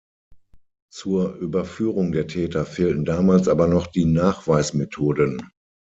Zur Überführung der Täter fehlten damals aber noch die Nachweismethoden.